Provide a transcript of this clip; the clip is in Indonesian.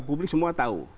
publik semua tahu